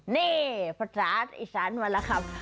เน่พระศาสตร์อีสานวันละครับ